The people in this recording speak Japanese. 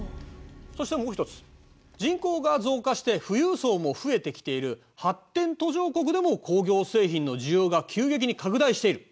そしてもう一つ人口が増加して富裕層も増えてきている発展途上国でも工業製品の需要が急激に拡大している。